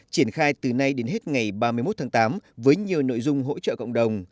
triển khai từ nay đến hết ngày ba mươi một tháng tám với nhiều nội dung hỗ trợ cộng đồng